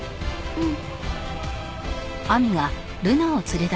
うん。